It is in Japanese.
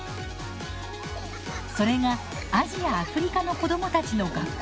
それがアジア・アフリカの子どもたちの学校